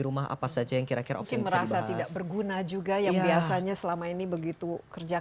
rumah apa saja yang kira kira mungkin merasa tidak berguna juga yang biasanya selama ini begitu kerja